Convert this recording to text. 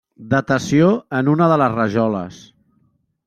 Datació en una de les rajoles.